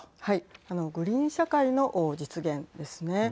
グリーン社会の実現ですね。